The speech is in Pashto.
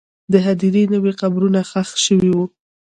د هدیرې نوې قبرونه ښخ شوي وو.